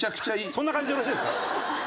そんな感じでよろしいですか？